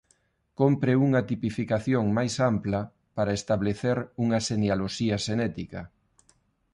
Cómpre unha tipificación máis ampla para establecer unha xenealoxía xenética.